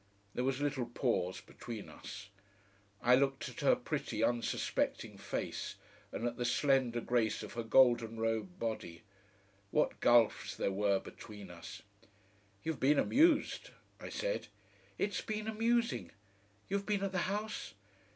There was a little pause between us. I looked at her pretty, unsuspecting face, and at the slender grace of her golden robed body. What gulfs there were between us! "You've been amused," I said. "It's been amusing. You've been at the House?"